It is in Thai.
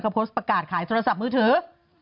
เขาโพสต์ประกาศขายโทรศัพท์มือถือ